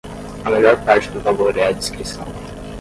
A melhor parte do valor é a discrição